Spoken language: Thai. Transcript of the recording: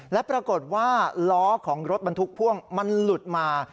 และปรากฏว่าล้อของรถบรรทุกพ่วงมันหลุดมา